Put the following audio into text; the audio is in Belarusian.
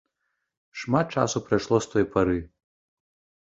Шмат часу прайшло з той пары.